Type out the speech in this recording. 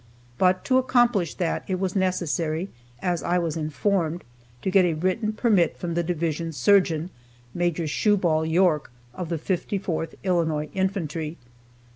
But to accomplish that it was necessary, as I was informed, to get a written permit from the Division Surgeon, Maj. Shuball York, of the 54th Illinois Infantry.